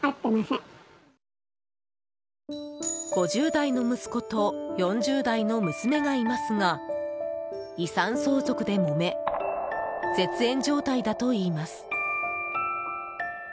５０代の息子と４０代の娘がいますが遺産相続でもめ絶縁状態だといいます。